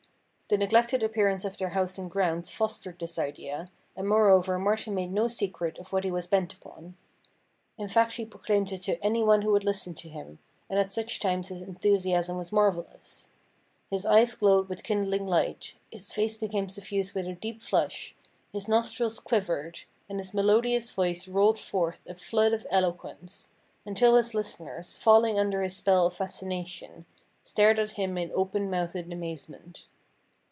The neglected appearance of their house and grounds fostered this idea, and moreover Martin made no secret of what he was bent upon. In fact he proclaimed it to anyone who would listen to him, and at such times his enthusiasm was marvellous ; his eyes glowed with kindling light, his face became suffused with a deep flush, his nostrils quivered, and his melodious voice rolled forth a flood of eloquence, until his listeners, falling under his spell of fasci nation, stared at him in open mouthed amazement.